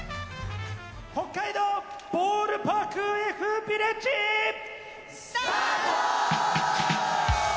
北海道ボールパークＦビレッジ、スタート！